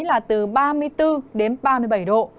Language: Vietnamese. là từ ba mươi bốn ba mươi bảy độ